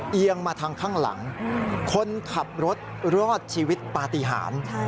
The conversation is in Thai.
เอียงมาทางข้างหลังคนขับรถรอดชีวิตปฏิหาร